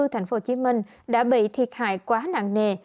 tp hcm đã bị thiệt hại quá nặng nề